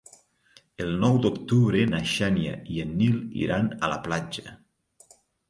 El nou d'octubre na Xènia i en Nil iran a la platja.